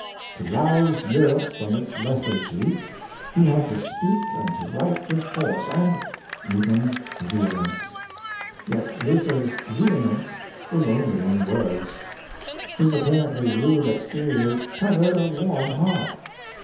To rouse Europe from its lethargy, he had to speak and to write with force, and even vehemence. Yet Luther^s vehemence was only in words. His apparently rude exterior covered a warm heart.